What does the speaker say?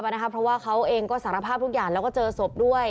เพราะว่าเขาเองก็สารภาพทุกอย่างแล้วก็เจอศพด้วย